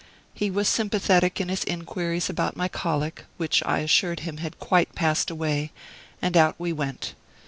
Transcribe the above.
He was sympathetic in his inquiries about my colic, which I assured him had quite passed away, and out we went.